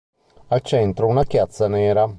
Al centro una chiazza nera.